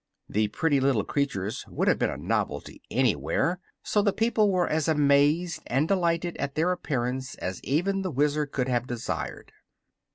The pretty little creatures would have been a novelty anywhere, so the people were as amazed and delighted at their appearance as even the Wizard could have desired.